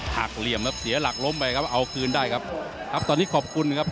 เหลี่ยมครับเสียหลักล้มไปครับเอาคืนได้ครับครับตอนนี้ขอบคุณนะครับ